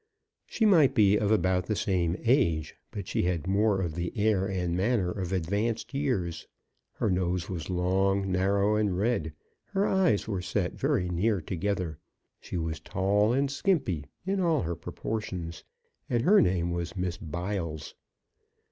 She might be of about the same age, but she had more of the air and manner of advanced years. Her nose was long, narrow and red; her eyes were set very near together; she was tall and skimpy in all her proportions; and her name was Miss Biles.